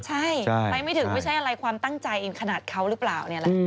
ใช่ไปไม่ถึงไม่ใช่อะไรความตั้งใจเองขนาดเขาหรือเปล่านี่แหละ